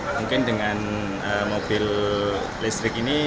mungkin dengan mobil listrik ini